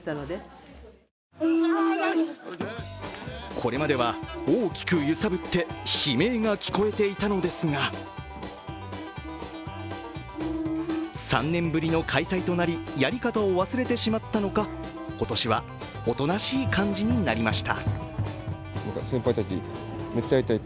これまでは大きく揺さぶって悲鳴が聞こえていたのですが３年ぶりの開催となりやり方を忘れてしまったのか今年はおとなしい感じになりました。